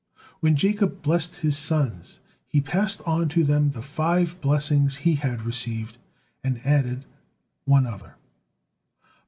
When Jacob blessed his sons, he passed on to them the five blessings he had received, and added one other.